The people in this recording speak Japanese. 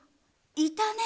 いたね！